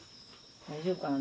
大丈夫かな？